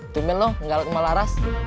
tumil lo enggak ke malaras